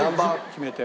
決めて。